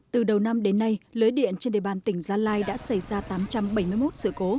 từ đầu năm đến nay lưới điện trên đề bàn tỉnh gia lai đã xảy ra tám trăm bảy mươi một sự cố